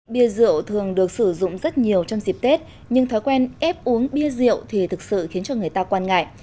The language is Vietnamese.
bia rượu thường được sử dụng rất nhiều trong dịp tết nhưng thói quen ép uống bia rượu thì thực sự khiến cho người ta quan ngại